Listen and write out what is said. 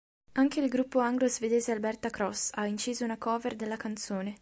Anche il gruppo anglo-svedese Alberta Cross ha inciso una cover della canzone.